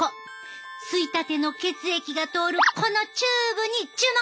吸いたての血液が通るこのチューブに注目！